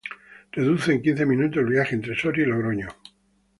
Reduce en quince minutos el viaje entre Soria y Logroño.